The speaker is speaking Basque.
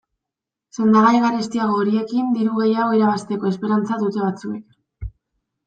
Sendagai garestiago horiekin diru gehiago irabazteko esperantza dute batzuek.